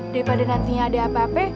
daripada nantinya ada apa apa